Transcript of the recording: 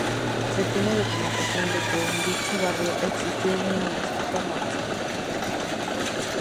Se tiene documentación de que en dicho barrio existió una mezquita morisca.